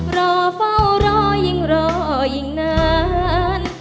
รอเฝ้ารอยิ่งรอยิ่งนาน